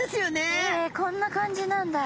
えこんな感じなんだ。